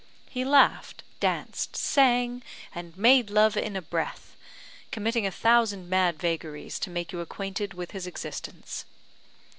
He laughed, danced, sang, and made love in a breath, committing a thousand mad vagaries to make you acquainted with his existence.